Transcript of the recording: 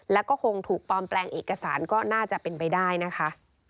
แล้วก็คงถูกปลอมแปลงเอกสารก็น่าจะเป็นไปได้นะคะ